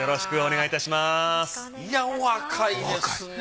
いやお若いですね。